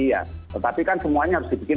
ya tetapi kan semuanya harus